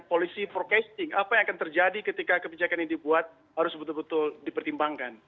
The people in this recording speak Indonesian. polisi forecasting apa yang akan terjadi ketika kebijakan ini dibuat harus betul betul dipertimbangkan